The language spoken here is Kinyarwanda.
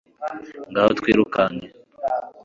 ngaho twirukanke